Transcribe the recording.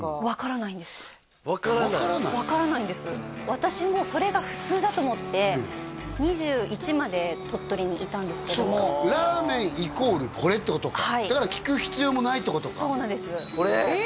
私もそれが普通だと思って２１まで鳥取にいたんですけどそうかラーメンイコールこれってことかだから聞く必要もないってことかそうなんですこれ？えっ！？